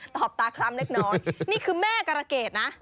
ตอบตาคล้ำเล็กน้อยนี่คือแม่การะเกดนะ